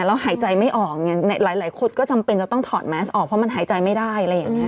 แล้วหายใจไม่ออกไงหลายคนก็จำเป็นจะต้องถอดแมสออกเพราะมันหายใจไม่ได้อะไรอย่างนี้